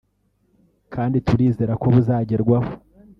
kandi turizera ko buzagerwaho